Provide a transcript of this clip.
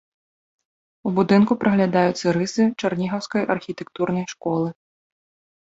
У будынку праглядаюцца рысы чарнігаўскай архітэктурнай школы.